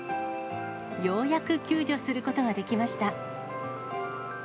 ようやく救助することができました。